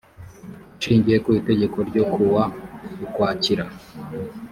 ashingiye ku itegeko ryo ku wa ukwakira